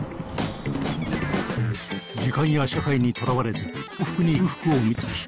時間や社会にとらわれず幸福に空腹を満たすとき